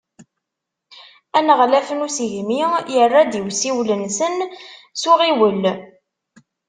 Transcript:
Aneɣlaf n usegmi, yerra-d i usiwel-nsen s uɣiwel.